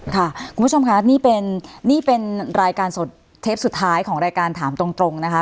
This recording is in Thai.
คุณผู้ชมค่ะนี่เป็นรายการสดเทปสุดท้ายของรายการถามตรงนะคะ